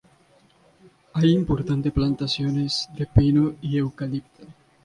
Hay importante plantaciones de pino y eucalipto.